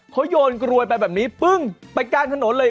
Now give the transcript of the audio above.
เขาโยนกรวยไปแบบนี้ปึ้งไปกลางถนนเลย